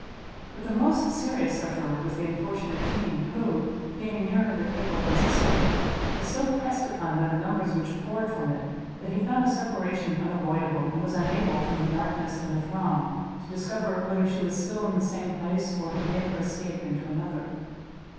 But the most serious sufferer was the unfortunate fiend, who, being nearer the table than Cecilia, was so pressed upon by the numbers which poured from it, that he found a separation unavoidable, and was unable, from the darkness and the throng, to discover whether she was still in the same place, or had made her escape into another.